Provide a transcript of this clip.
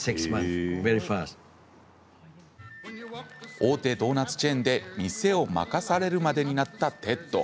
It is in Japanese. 大手ドーナツチェーンで店を任されるまでになったテッド。